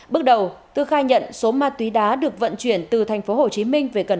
bước đầu tư khai nhận số ma túy đá được vận chuyển từ tp hcm